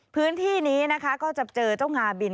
พื้นที่นี้นะคะก็จะเจอเจ้างาบิน